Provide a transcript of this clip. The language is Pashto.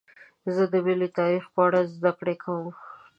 زه د ملي تاریخ په اړه زدهکړه کوم.